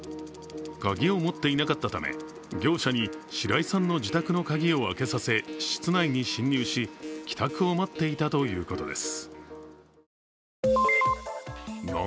鍵を持っていなかったため、業者に白井さんの自宅の鍵を開けさせ室内に侵入し、帰宅を待っていたということです。